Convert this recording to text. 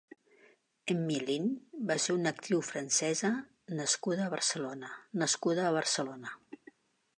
Emmy Lynn va ser una actriu francesa nascuda a Barcelona nascuda a Barcelona.